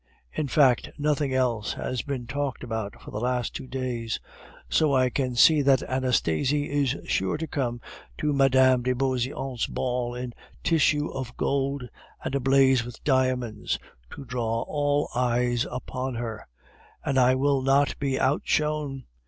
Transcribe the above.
In fact, nothing else has been talked about for the last two days. So I can see that Anastasie is sure to come to Mme. de Beauseant's ball in tissue of gold, and ablaze with diamonds, to draw all eyes upon her; and I will not be outshone.